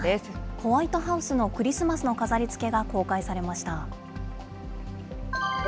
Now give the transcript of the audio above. ホワイトハウスのクリスマスの飾りつけが公開されました。